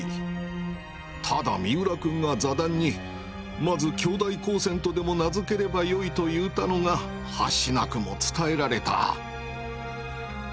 ただ三浦君が座談にまず京大光線とでも名づければよいと云うたのがはしなくも伝えられた」。